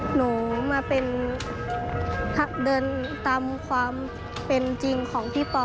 หนูมาเป็นเดินตามความเป็นจริงของพี่ปอ